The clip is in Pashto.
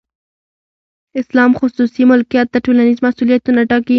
اسلام خصوصي ملکیت ته ټولنیز مسولیتونه ټاکي.